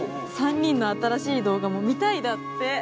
「３人の新しい動画も見たい」だって。